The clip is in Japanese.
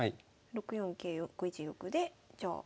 ６四桂６一玉でじゃあ。